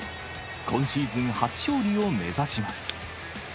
今シーズン初勝利を目指します。